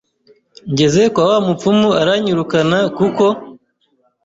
ngeze kwa wa mupfumu aranyirukana kuko